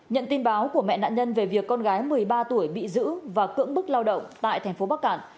nhận tin báo của mẹ nạn nhân về việc con gái một mươi ba tuổi bị giữ và cưỡng bức lao động tại thành phố bắc cạn